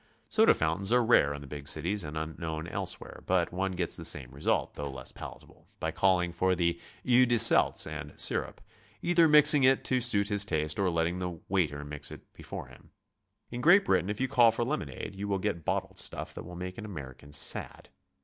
Soda fountains are rare in the big cities and unknown elsewhere, but one gets the same result, though less palatable, by calling for the ''eau de seltz" and sirop, either mixing it 'to suit his taste or letting the waiter mix it before him. In Great Britain if you call for lemonade, you will get bottled stuff 'that will make an American sad.